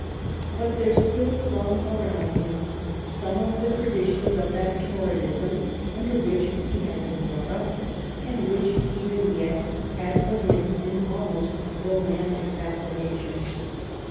But there still clung around him some of the traditions of that Toryism under which he had been brought up, and which even yet had for him an almost romantic fascination.